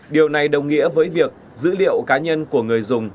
điều này đồng nghĩa với việc dữ liệu cá nhân của người dùng